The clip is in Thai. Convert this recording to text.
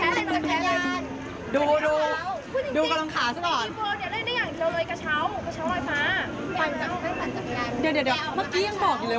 เฮ้ยพี่เดี๋ยวก่อนหนูแพ้ตั้งแต่ตอนนี้แบบนี้ไม่ได้แล้วไม่แพ้เลย